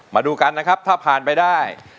มาดูกันนะครับถ้าผ่านไปได้